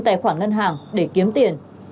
tài khoản ngân hàng để kiếm tiền